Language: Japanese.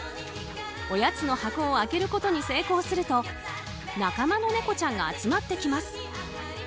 おやつの箱を開けることに成功すると仲間の猫ちゃんが集まってきます。